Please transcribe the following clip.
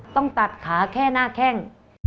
ต้องตัดขาแค่หน้าแข้ง